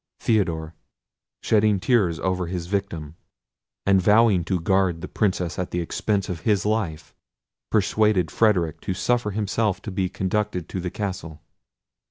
Theodore, shedding tears over his victim, and vowing to guard the Princess at the expense of his life, persuaded Frederic to suffer himself to be conducted to the castle.